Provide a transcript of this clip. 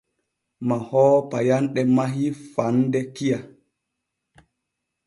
Mahoowo payanɗe mahii faande kiya.